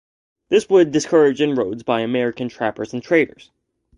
This would discourage inroads by American trappers and traders.